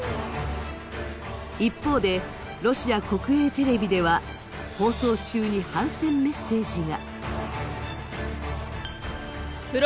一方でロシア国営テレビでは放送中に反戦メッセージが。